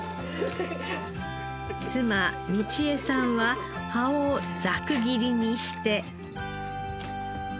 妻美智栄さんは葉をざく切りにして。